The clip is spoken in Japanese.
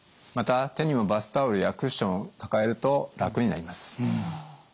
また手にもバスタオルやクッションを抱えると楽になります。